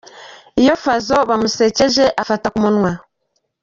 Iyo Fazzo bamusekeje afata ku munwa.